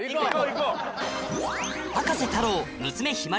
行こう。